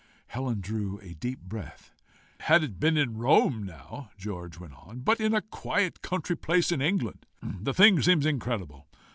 Helen drew a deep breath. "Had it been in Rome, now," George went on. "But in a quiet country place in England! The thing seems incredible!